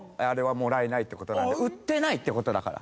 売ってないってことだから。